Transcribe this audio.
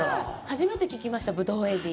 初めて聞きましたブドウエビ。